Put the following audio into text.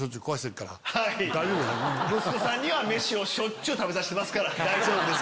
息子さんにはメシしょっちゅう食べさせてますから大丈夫。